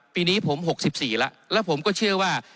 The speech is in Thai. ปีนี้ผม๖๔แล้วแล้วผมก็เชื่อว่า